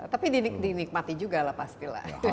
tapi dinikmati juga lah pasti lah